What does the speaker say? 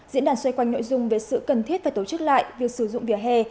diễn đàn xoay quanh nội dung về sự cần thiết phải tổ chức lại việc sử dụng vỉa hè